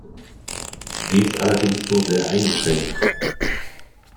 Dies allerdings nur sehr eingeschränkt.